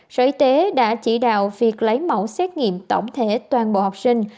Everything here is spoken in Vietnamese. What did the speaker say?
sở y tế đã chỉ đạo việc lấy mẫu xét nghiệm tổng thể toàn bộ học sinh